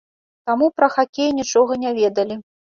Таму пра хакей нічога не ведалі.